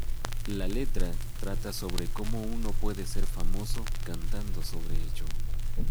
La letra trata sobre cómo uno puede ser famoso cantando sobre ello.